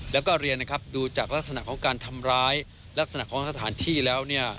แล้วก็เรียนนะครับดูจากลักษณะของการทำร้ายลักษณะของสถานที่แล้วเนี่ย